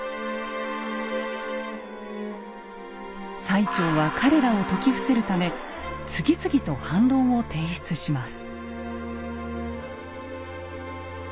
最澄は彼らを説き伏せるため次々と反論を提出します。